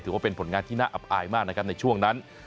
ถือว่าเป็นผลงานที่น่าอับอายมากนะครับในช่วงนั้น